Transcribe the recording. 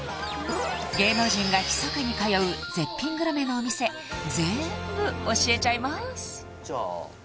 芸能人がひそかに通う絶品グルメのお店全部教えちゃいますじゃあ